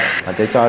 thành tế trọng